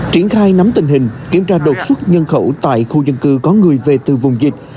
triển khai nắm tình hình kiểm tra đột xuất nhân khẩu tại khu dân cư có người về từ vùng dịch